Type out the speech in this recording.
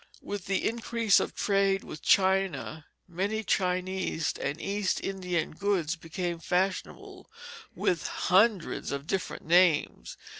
With the increase of trade with China many Chinese and East Indian goods became fashionable, with hundreds of different names.